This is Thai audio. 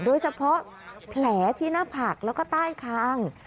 โดยเฉพาะแผลที่หน้าผักแล้วก็ใต้คาง